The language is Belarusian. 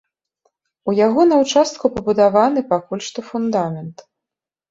У яго на ўчастку пабудаваны пакуль што фундамент.